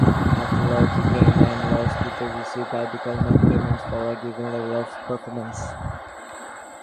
Methodology-"Gain" and "Loss" teachers received identical net payments for a given level of performance.